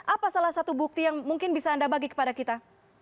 apa salah satu bukti yang mungkin bisa anda bagi kepada kita